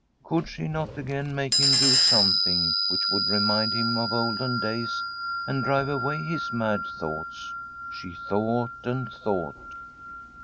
Could she not again make him do some thing which would remind him of olden days, and drive away his mad thoughts? She thought and thought.